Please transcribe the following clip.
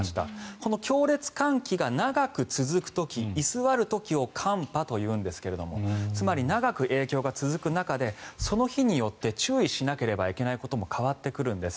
この強烈寒気が長く続く時居座る時を寒波というんですけどもつまり長く影響が続く中でその日によって注意しなければいけないことも変わってくるんです。